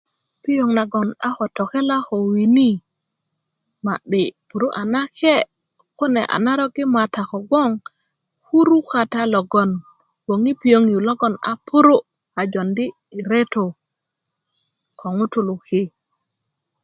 piyoŋ nagon a ko tokelá ko wini ma'di purú a nakiye kune a narok i matá ko gboŋ kurú kata logboŋ gboŋ i piyoŋ logon a puruú a jondi retó ko ŋutulú ki